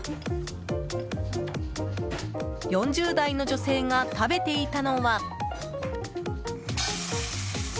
４０代の女性が食べていたのは。